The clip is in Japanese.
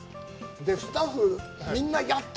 スタッフみんな、やった！